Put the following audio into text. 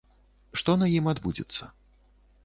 Што на ім адбудзецца?